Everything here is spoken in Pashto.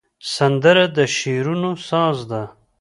سندره د شعرونو ساز ده